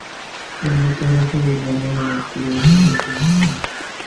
El fotógrafo del glamour en el periódico es Jean Savage.